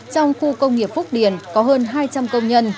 trong khu công nghiệp phúc điền có hơn hai trăm linh công nhân